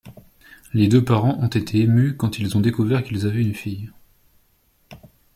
Les deux parents ont été émus quand ils ont découvert qu'ils avaient une fille.